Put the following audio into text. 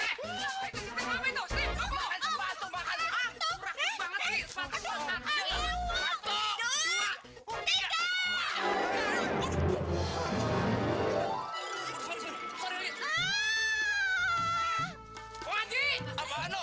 eh gue gak sengaja gue main lempar aja lo nyajak kali ada di situ